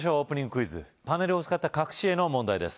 クイズパネルを使った隠し絵の問題です